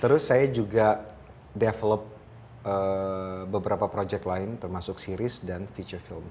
terus saya juga develop beberapa project lain termasuk series dan future film